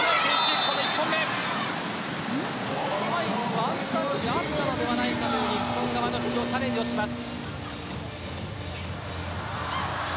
ワンタッチあったのではないかという日本側がチャレンジをします。